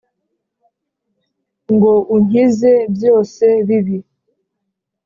ngo unkize byose bibi.